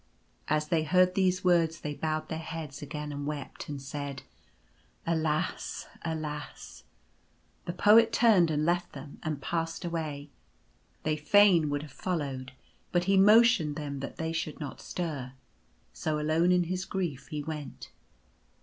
As they heard these words they bowed their heads again and wept, and said : "Alas! alas!" The poet turned and left them ; and passed away. They fain would have followed ; but he motioned them that they should not stir. So, alone, in his grief he went.